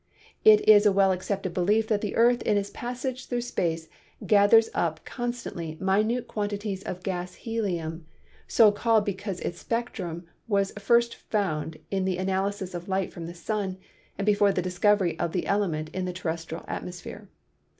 It 20 PHYSICS is a well accepted belief that the earth in its passage through space gathers up constantly minute quantities of the gas helium, so called because its spectrum was found first in the analysis of light from the sun and before the discovery of the element in the terrestrial atmosphere.